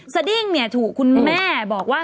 สดิ้งถูกคุณแม่บอกว่า